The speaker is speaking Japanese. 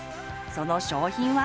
その商品は？